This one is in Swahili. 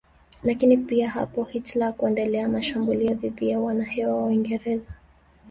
Lakini pia hapo Hitler hakuendelea mashambulio dhidi ya wanahewa wa Uingereza